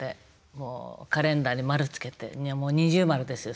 もうカレンダーに丸つけていやもう二重丸ですよ